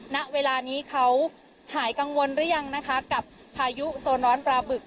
ณเวลานี้เขาหายกังวลหรือยังนะคะกับพายุโซนอนปลาบึก